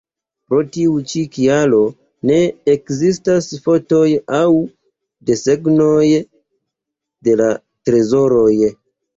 Pro tiu ĉi kialo, ne ekzistas fotoj aŭ desegnoj de la trezoroj.